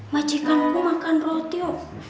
majikan aku makan roti oh